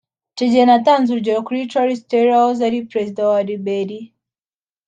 Icyo gihe natanze urugero kuri Charles Taylor wahoze ari Perezida wa Liberiya